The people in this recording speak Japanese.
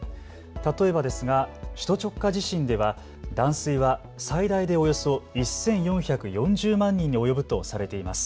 例えばですが首都直下地震では断水は最大でおよそ１４４０万人に及ぶとされています。